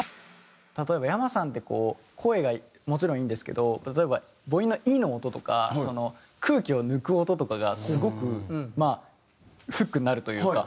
例えばｙａｍａさんってこう声がもちろんいいんですけど例えば母音の「い」の音とか空気を抜く音とかがすごくフックになるというか。